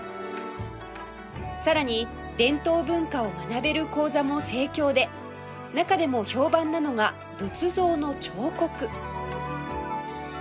さらに伝統文化を学べる講座も盛況で中でも評判なのが仏像の彫刻